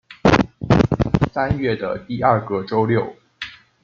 三月的第二個週六